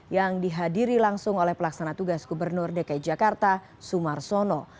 yang dihadiri langsung oleh pelaksana tugas gubernur dki jakarta sumarsono